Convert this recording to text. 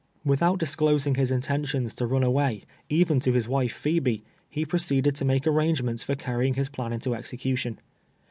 "Without disclosing his intentions to run away even to his Avife Phebe, he i)roceeded to make arrange ments for carrying his plan into execution.